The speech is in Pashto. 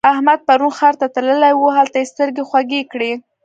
احمد پرون ښار ته تللی وو؛ هلته يې سترګې خوږې کړې.